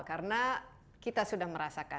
karena kita sudah merasa